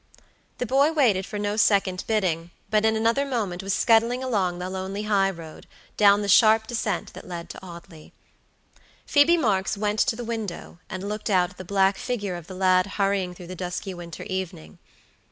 The boy waited for no second bidding, but in another moment was scudding along the lonely high road, down the sharp descent that led to Audley. Phoebe Marks went to the window, and looked out at the black figure of the lad hurrying through the dusky winter evening.